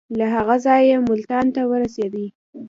له هغه ځایه ملتان ته ورسېدی.